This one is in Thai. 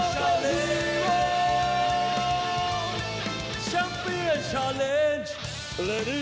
กับความสุขทั้งหลาย